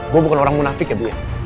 gue bukan orang munafik ya bi